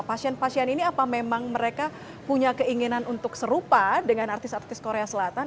pasien pasien ini apa memang mereka punya keinginan untuk serupa dengan artis artis korea selatan